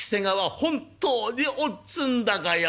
本当におっ死んだかや？」。